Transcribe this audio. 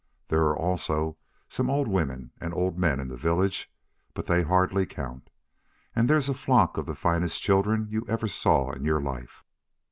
There are also some old women and old men in the village, but they hardly count. And there's a flock of the finest children you ever saw in your life.